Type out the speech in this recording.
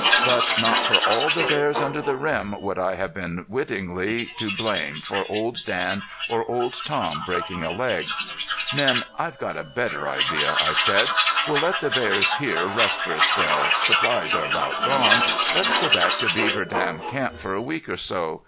But not for all the bears under the rim would I have been wittingly to blame for Old Dan or Old Tom breaking a leg. "Men, I've got a better plan," I said. "We'll let the bears here rest for a spell. Supplies are about gone. Let's go back to Beaver Dam camp for a week or so.